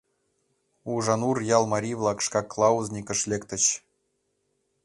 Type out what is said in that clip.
Ужанур ял марий-влак шкак кляузникыш лектыч...